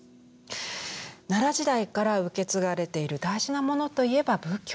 奈良時代から受け継がれている大事なものといえば仏教です。